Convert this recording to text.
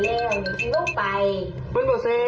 เอา